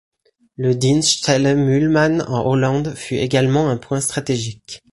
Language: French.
Le Dienststelle Mühlmann, en Hollande fut également un point stratégique.